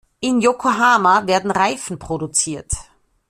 In Yokohama werden Reifen produziert.